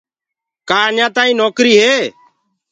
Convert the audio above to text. ڪآ اڃآ تآئينٚ نوڪري هي؟